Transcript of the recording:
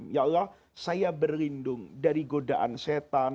ya allah saya berlindung dari godaan setan